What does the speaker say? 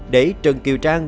để trần kiều trang